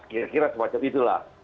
kira kira semacam itulah